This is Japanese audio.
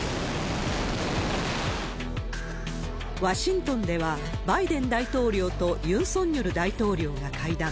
ワシントンでは、バイデン大統領とユン・ソンニョル大統領が会談。